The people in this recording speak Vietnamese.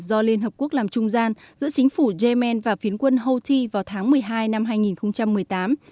do liên hợp quốc làm trung gian giữa chính phủ yemen và phiến quân houthi vào tháng một mươi hai năm hai nghìn một mươi tám